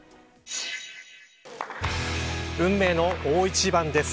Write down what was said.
運命の大一番です。